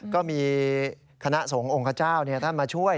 ก็มีคณะสงขององค์กระเจ้าเนี่ยท่านมาช่วย